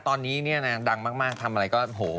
ตอนนี้เนี่ยนะดังมากทำอะไรก็โห